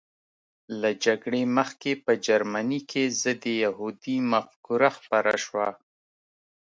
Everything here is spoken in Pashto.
له جګړې مخکې په جرمني کې ضد یهودي مفکوره خپره شوه